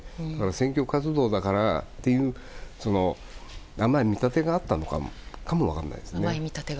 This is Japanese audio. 選挙活動だからという甘い見立てがあったのかも分からないですね。